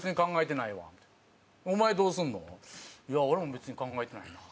「いや俺も別に考えてないな」。